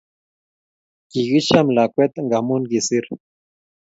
Kikicham lakwet ngamun kisir